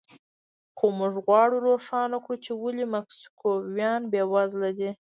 خو موږ غواړو روښانه کړو چې ولې مکسیکویان بېوزله دي.